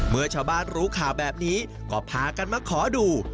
เมื่อชาวบ้านรู้ข่าวแบบนี้ก็พากันมาขอดู